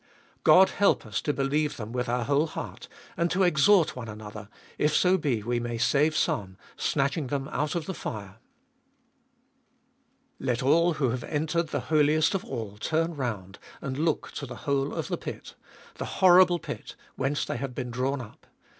God help us to believe them with our whole heart, and to exhort one another, if so be we may save some, snatching them out of the fire ! 1. Let all who have entered the Holiest of All turn round and ook to the hole of the pit— the horrible pit— whence they have been drawn up.